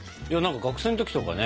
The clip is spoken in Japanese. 学生の時とかね